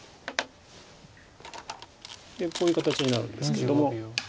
でこういう形になるんですけれども。